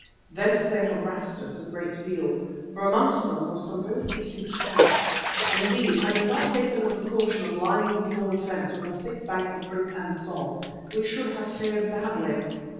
Thence they harassed us a great deal, for amongst them were some very decent shots. Indeed, had we not taken the precaution of lining the thorn fence with a thick bank of earth and sods, we should have fared badly.